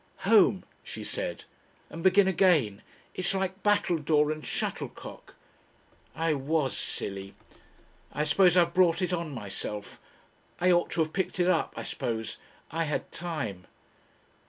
"Home," she said, "and begin again. It's like battledore and shuttlecock.... "I was silly.... "I suppose I've brought it on myself. I ought to have picked it up, I suppose. I had time....